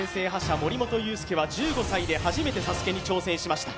森本裕介は１５歳で初めてＳＡＳＵＫＥに挑戦しました。